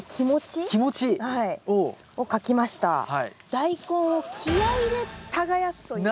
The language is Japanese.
大根を気合いで耕すという。